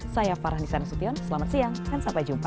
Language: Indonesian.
saya farhani sanasution selamat siang dan sampai jumpa